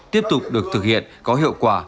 tiếp tục được thực hiện có hiệu quả